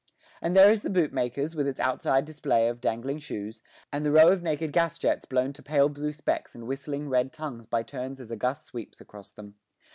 And there is the bootmaker's, with its outside display of dangling shoes, and the row of naked gas jets blown to pale blue specks and whistling red tongues by turns as a gust sweeps across them.